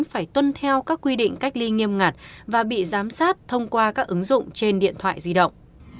phải tuân theo các quy định cách ly nghiêm ngặt và bị giám sát thông qua các ứng dụng trên điện thoại di động